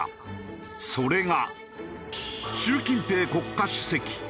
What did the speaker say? それが。